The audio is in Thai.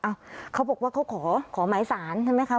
เขาบอกว่าเขาขอขอหมายสารใช่ไหมคะ